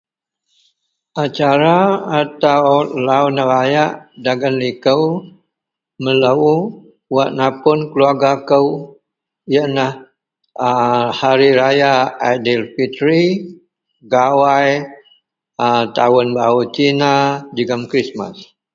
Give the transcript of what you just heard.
acara atau lau nerayak dagen liko melou wak napun keluarga kou, ienlah a hariraya adilfitri, gawai, a tahun baru cina jegum krismas